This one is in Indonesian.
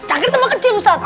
cangkir cuma kecil ustad